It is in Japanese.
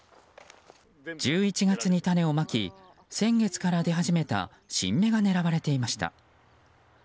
１１月に種をまき先月から出始めた新芽が狙われていました。